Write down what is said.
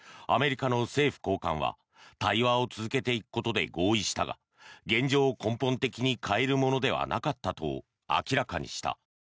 アメリカの政府高官は対話を続けていくことで合意したが現状を根本的に変えるものではなかったと明らかにした。